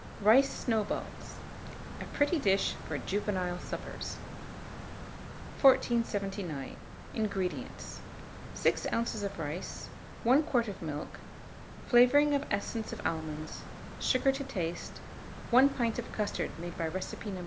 RICE SNOWBALLS. (A pretty dish for Juvenile Suppers.) 1479. INGREDIENTS. 6 oz. of rice, 1 quart of milk, flavouring of essence of almonds, sugar to taste, 1 pint of custard made by recipe No.